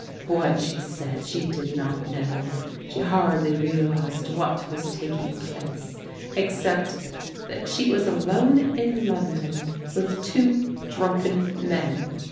What she said she did not know. She hardly realized what was taking place, except that she was alone in Lon don with two drunken men.